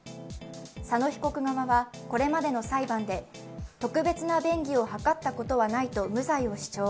佐野被告側はこれまでの裁判で特別な便宜を図ったことはないと無罪を主張。